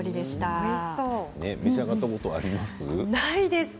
召し上がったことありますか？